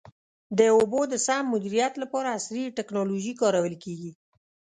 د اوبو د سم مدیریت لپاره عصري ټکنالوژي کارول کېږي.